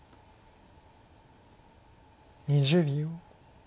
２０秒。